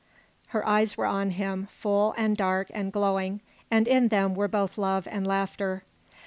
Her eyes were on him, full, and dark, and glowing, and in them were both love and laughter.